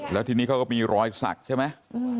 แล้วทีนี้เขาก็มีรอยสักใช่ไหม